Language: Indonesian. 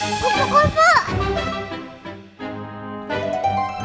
kita lagi ke rumah